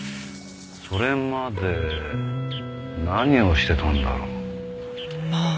それまで何をしてたんだろう？